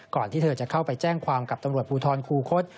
ที่เธอจะเข้าไปแจ้งความกับตำรวจภูทรคูคศ